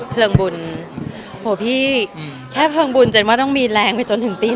เพลิงบุญแค่เพลิงบุญจนว่าต้องมีแรงไปจน๑ปี